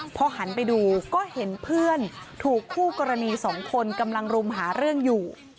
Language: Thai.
พอหันไปดูก็เห็นเพื่อนถูกคู่กรณีสองคนกำลังรุมหาเรื่องอยู่